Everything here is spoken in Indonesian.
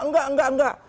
enggak enggak enggak